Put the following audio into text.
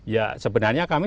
ya sebenarnya kami